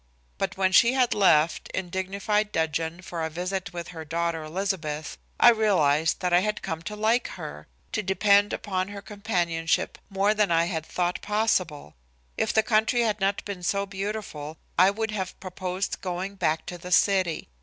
But when she had left, in dignified dudgeon, for a visit with her daughter, Elizabeth, I realized that I had come to like her, to depend upon her companionship more than I had thought possible. If the country had not been so beautiful I would have proposed going back to the city.